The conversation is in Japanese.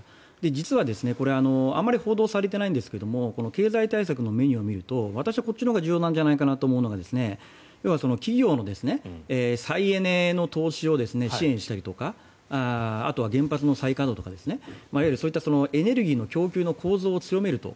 実はあまり報道されていないんですが経済対策のメニューを見ると私はこっちのほうが重要なんじゃないかと思うのが要は企業の再エネの投資を支援したりとかあとは原発の再稼働とかいわゆるエネルギーの供給の構造を強めると。